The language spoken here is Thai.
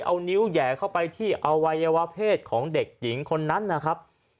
เอานิ้วแหย่เข้าไปที่อวัยวะเพศของเด็กหญิงคนนั้นนะครับ